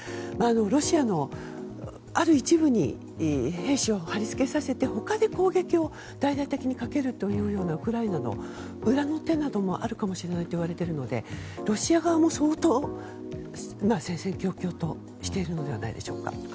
ロシアのある一部に兵士を張り付けさせて他で攻撃を大々的にかけるというウクライナの裏の手などもあるかもしれないといわれているのでロシア側も相当、戦々恐々としているのではないでしょうか。